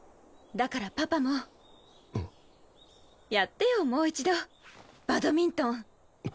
だからパパもやってよもう一度バドミントン。